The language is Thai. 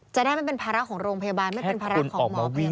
จะได้ไม่เป็นภาระของโรงพยาบาลไม่เป็นภาระของหมอพยาบาล